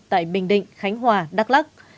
tại bình định khánh hòa đắk lắc